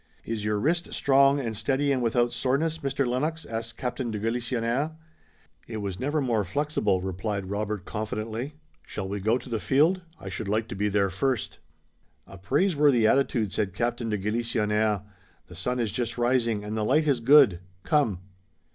"Is your wrist strong and steady and without soreness, Mr. Lennox?" asked Captain de Galisonnière. "It was never more flexible," replied Robert confidently. "Shall we go to the field? I should like to be there first." "A praiseworthy attitude," said Captain de Galisonnière. "The sun is just rising and the light is good. Come."